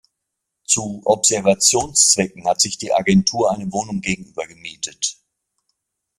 Zu Observationszwecken hat sich die Agentur eine Wohnung gegenüber gemietet.